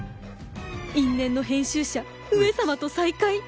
因縁の編集者上様と再会